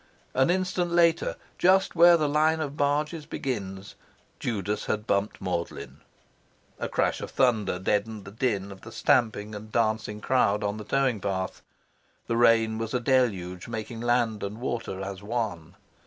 An instant later, just where the line of barges begins, Judas had bumped Magdalen. A crash of thunder deadened the din of the stamping and dancing crowd on the towing path. The rain was a deluge making land and water as one.